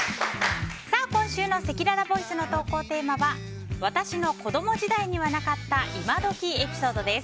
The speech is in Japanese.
今週のせきららボイスの投稿テーマは私の子供時代にはなかった今どきエピソードです。